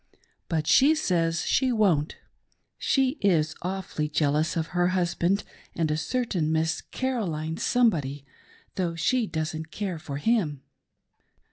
But she says she won't. She is awfully jealous of her husband and a certain Miss Caroline somebody, though she doesn't care for him.''